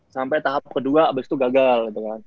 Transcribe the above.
sampai tahap kedua abis itu gagal